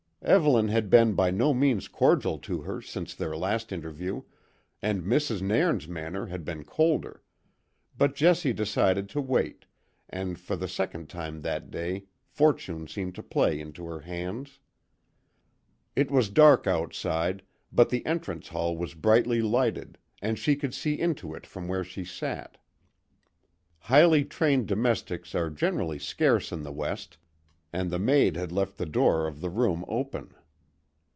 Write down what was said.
Evelyn had been by no means cordial to her since their last interview, and Mrs. Nairn's manner had been colder; but Jessie decided to wait, and for the second time that day fortune seemed to play into her hands. It was dark outside, but the entrance hall was brightly lighted, and she could see into it from where she sat. Highly trained domestics are generally scarce in the West, and the maid had left the door of the room open.